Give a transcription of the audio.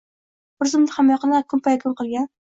Bir zumda hammayoqni kunpayakun qilgan.